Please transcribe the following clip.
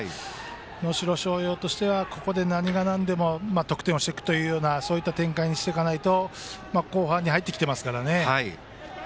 能代松陽としてはここで何がなんでも得点していくという展開にしていかないと後半に入ってきていますからね。